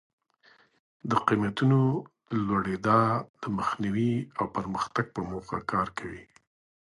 د قیمتونو د لوړېدا د مخنیوي او پرمختګ په موخه کار کوي.